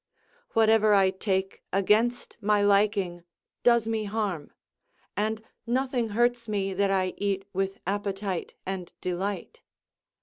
Whatever I take against my liking does me harm; and nothing hurts me that I eat with appetite and delight.